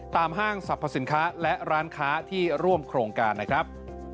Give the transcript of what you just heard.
ห้างสรรพสินค้าและร้านค้าที่ร่วมโครงการนะครับ